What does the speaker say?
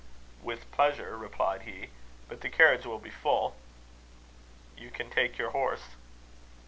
"With pleasure," replied he; "but the carriage will be full." "You can take your horse."